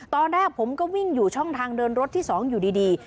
ตอนแรกผมก็วิ่งอยู่ช่องทางเดินรถที่๒อยู่ดี